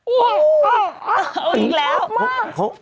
โอ้โหเอาอีกแล้วมาก